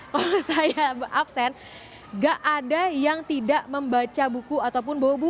kalau saya absen gak ada yang tidak membaca buku ataupun bawa buku